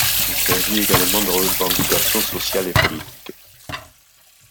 Il s'agit également de revendications sociales et politiques.